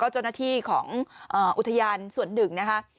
เจ้าหน้าที่ของอุทยานส่วนหนึ่งนะคะ